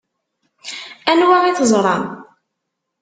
Anwa i teẓṛam?